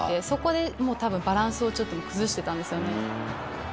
そこでもうたぶん、バランスをちょっと崩してたんですよね。